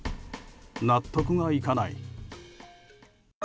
納得がいかない。